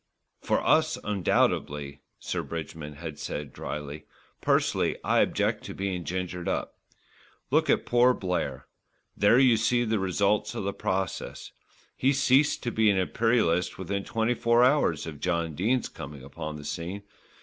"For us, undoubtedly," Sir Bridgman had said drily. "Personally I object to being gingered up. Look at poor Blair. There you see the results of the process. He ceased to be an Imperialist within twenty four hours of John Dene's coming upon the scene.